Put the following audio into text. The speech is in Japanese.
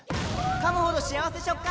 かむほど幸せ食感！